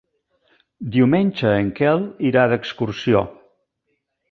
Diumenge en Quel irà d'excursió.